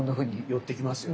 寄ってきますよね。